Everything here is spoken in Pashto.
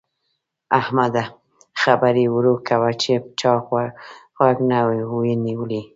احمده! خبرې ورو کوه چې چا غوږ نه وي نيولی.